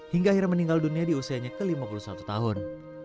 hingga akhirnya meninggal dunia di usianya ke lima puluh satu tahun